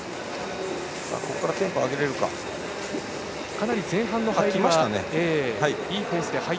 ここからテンポを上げられるか。